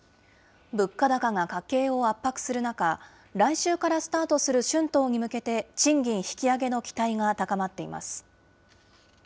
物価高が家計を圧迫する中、来週からスタートする春闘に向けて、賃金引き上げの期待が高まっています。